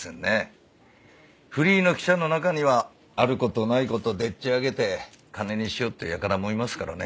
フリーの記者の中にはある事ない事でっち上げて金にしようってやからもいますからね。